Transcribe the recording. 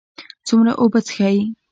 څومره اوبه څښئ؟